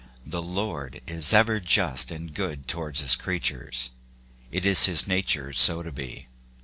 H E Lord is ever just and good towards his creatures : it is his nature so to be.